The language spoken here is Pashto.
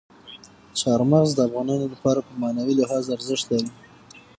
چار مغز د افغانانو لپاره په معنوي لحاظ ارزښت لري.